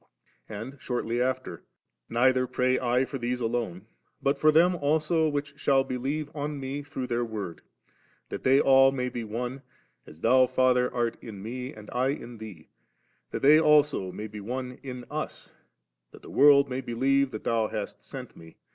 And shortly after; 'Neither pray I for these alone, but for them also which shall believe on Me through their Word ; that they all may be one, as Thou, Father, art in Me, and I in Thee, that they also may be one in Us, that the world may believe that Thou hast sent Me.